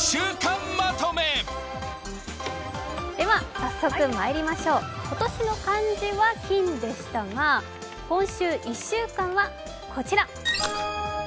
早速まいりましょう、今年の漢字は「金」でしたが今週１週間はこちら。